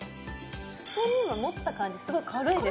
普通に持った感じすごい軽いです